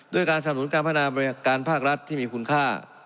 ด้วยการสำนุนการพัฒนาบริการภาครัฐที่มีคุณค่า